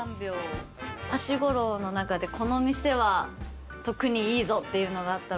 ハシゴ楼の中でこの店は特にいいぞっていうのがあったら。